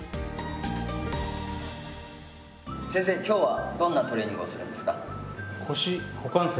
今日はどんなトレーニングをするんですか？